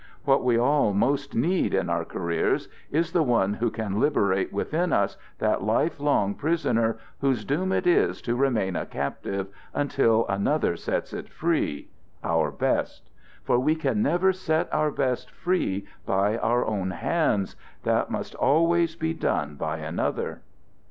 What we all most need in our careers is the one who can liberate within us that lifelong prisoner whose doom it is to remain a captive until another sets it free our best. For we can never set our best free by our own hands; that must always be done by another."